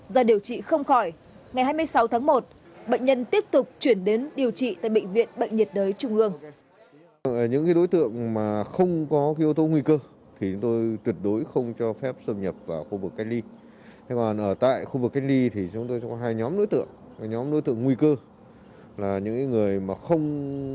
do điều trị không khỏi ngày hai mươi sáu tháng một bệnh nhân tiếp tục chuyển đến điều trị tại bệnh viện bệnh nhiệt đới trung ương